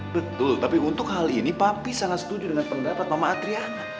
betul tapi untuk hal ini papi sangat setuju dengan pendapat mama adriana